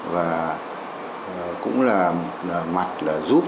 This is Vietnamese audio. và cũng là mặt giúp